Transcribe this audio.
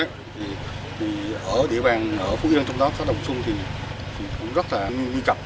thì ở địa bàn phú yên trong đó có đồng xuân thì cũng rất là nguy cập